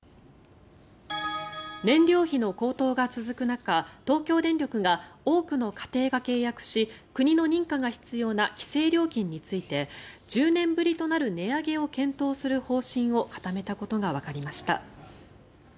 燃料費の高騰が続く中東京電力が多くの家庭が契約し国の認可が必要な規制料金について１０年ぶりとなる値上げを検討する方針を固めたことがわかりました。